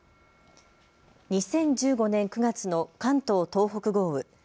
２０１５年９月の関東・東北豪雨。